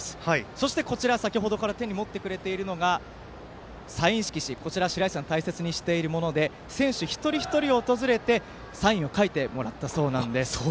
そして先ほどから手に持ってくれているのがサイン色紙、しらいしさん大切にしているもので選手一人一人を訪れてサインを書いてもらったそうなんです。